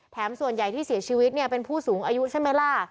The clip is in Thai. ส่วนใหญ่ที่เสียชีวิตเนี่ยเป็นผู้สูงอายุใช่ไหมล่ะ